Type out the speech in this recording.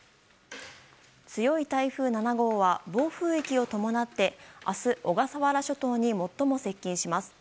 強い台風７号は暴風域を伴って明日、小笠原諸島に最も接近します。